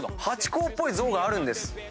ハチ公っぽい像があるんです。